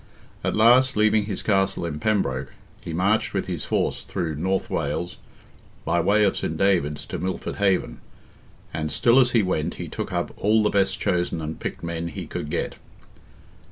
At last, leaving his castle in Pembroke, he marched with his force through North Wales, by way of St. David's to Milford Haven—"and still as he went he took up all the best chosen and picked men he could get."